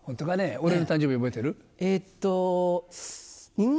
俺の誕生日覚えてる？えっとん？